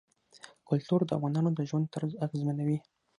کلتور د افغانانو د ژوند طرز اغېزمنوي.